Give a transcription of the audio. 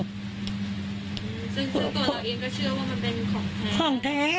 ซึ่งตัวเราอีกก็เชื่อว่ามันเป็นของแท้